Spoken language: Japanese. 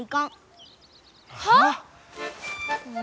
はあ！？